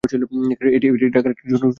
এটি ঢাকার একটি সুনাম ধন্য কলেজ।